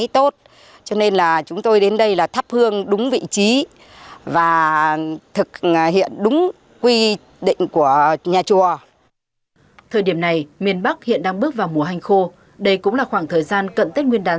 thời điểm này miền bắc hiện đang bước vào mùa hành khô đây cũng là khoảng thời gian cận tết nguyên đán